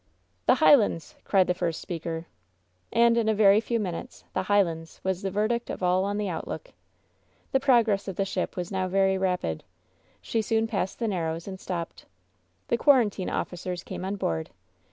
"The Highlands!^' cried the first speaker. And in a very few minutes "The Highlands!" was the verdict of all on the outlook. The progress of the ship was now very rapid. She soon passed the l^arrows, and stopped. The quarantine officers came on board.